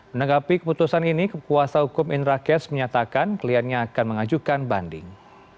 menanggapi keputusan ini kepuasa hukum indrakes menyatakan kliennya akan mengajukan banding